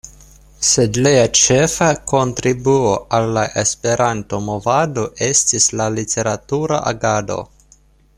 Sed lia ĉefa kontribuo al la Esperanto-movado estis la literatura agado.